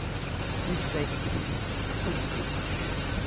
was stated to be for jjostage!